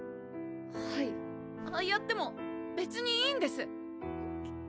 はいいやでも別にいいんです！